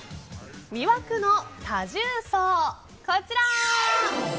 魅惑の多重奏、こちら。